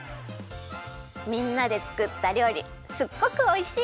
みんなでつくったりょうりすっごくおいしい。